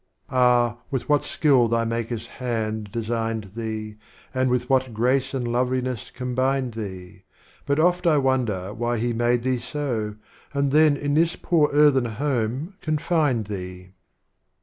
SXIII. Ah, with what Skill Thy Maker's Hand designed Thee, And with what Grace and Lovliness combined Thee; But oft I wonder why he made thee so, And then in this poor Earthen Home confined Thee.